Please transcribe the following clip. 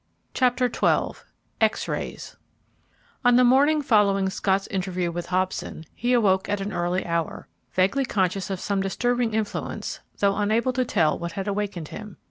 CHAPTER XII X RAYS On the morning following Scott's interview with Hobson, he awoke at an early hour, vaguely conscious of some disturbing influence, though unable to tell what had awakened him.